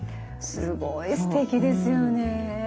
すごいすてきですよね。